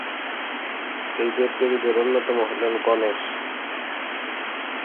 এই দেবদেবীদের অন্যতম হলেন গণেশ।